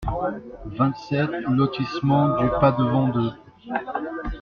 vingt-sept lotissement du Padevant deux